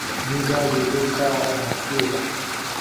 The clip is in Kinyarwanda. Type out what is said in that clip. Imbwa yiruka umupira